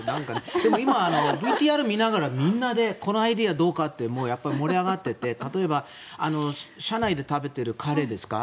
でも今は、ＶＴＲ見ながらみんなでこのアイデアどうかってもう盛り上がっていて例えば社内で食べてるカレーですか。